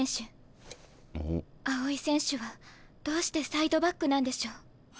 青井選手はどうしてサイドバックなんでしょう？